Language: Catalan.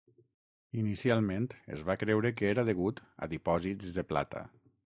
Inicialment es va creure que era degut a dipòsits de plata.